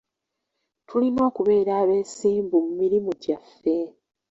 Tulina okubeera abeesimbu mu mirimu gyaffe.